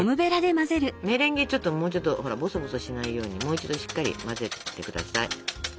メレンゲちょっともうちょっとほらボソボソしないようにもう一度しっかり混ぜて下さい。